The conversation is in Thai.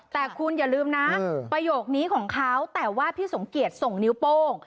แต่คุณอย่าลืมนะประโยคนี้ของเขาแต่ว่าพี่สมเกียจส่งนิ้วโป้ง